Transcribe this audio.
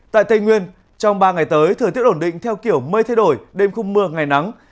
tại tây nguyên trong ba ngày tới thời tiết ổn định theo kiểu mây thay đổi đêm không mưa ngày nắng